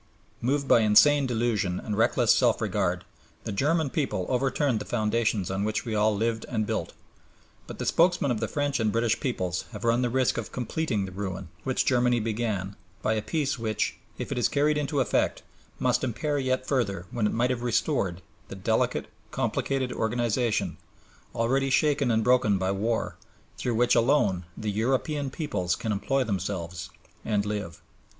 Moved by insane delusion and reckless self regard, the German people overturned the foundations on which we all lived and built. But the spokesmen of the French and British peoples have run the risk of completing the ruin, which Germany began, by a Peace which, if it is carried into effect, must impair yet further, when it might have restored, the delicate, complicated organization, already shaken and broken by war, through which alone the European peoples can employ themselves and live.